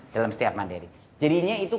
dalam setiap mandiri jadinya itu